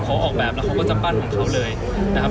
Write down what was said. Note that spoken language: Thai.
เขาออกแบบแล้วเขาก็จะปั้นของเขาเลยนะครับ